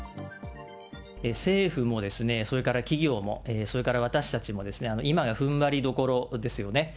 政府もそれから企業も、それから私たちも、今がふんばりどころですよね。